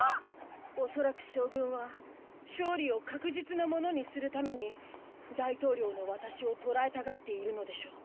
恐らく将軍は勝利を確実なものにするために大統領のワタシを捕らえたがっているのでしょう。